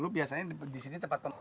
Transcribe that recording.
biasanya di sini tempat